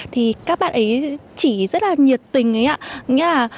thì các bạn ấy chỉ rất là nhiệt tình